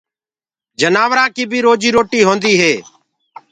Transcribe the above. جآنورآنٚ ڪيٚ بيٚ روجيٚ روٽيٚ هونديٚ هي